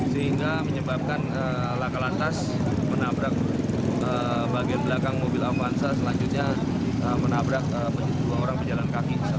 sehingga menyebabkan laka lantas menabrak bagian belakang mobil avanza selanjutnya menabrak dua orang pejalan kaki